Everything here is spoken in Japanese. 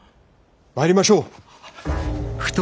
参りましょう。